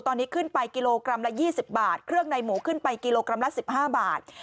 ตอนนี้ขึ้นไปกิโลกรัมละ๒๐บาทเครื่องในหมูขึ้นไปกิโลกรัมละ๑๕บาท